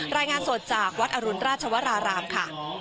รายงานสดจากวัดอรุณราชวรารามค่ะ